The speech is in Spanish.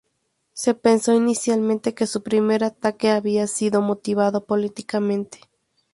Se pensó inicialmente que su primer ataque había sido motivado políticamente.